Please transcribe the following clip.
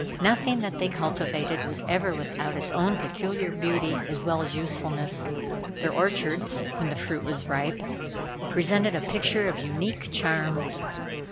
Nothing that they cultivated was ever without its own peculiar beauty as well as usefulness. Their orchards, when the fruit was ripe, presented a picture of unique charm.